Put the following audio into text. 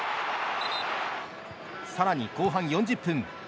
さらに後半４０分。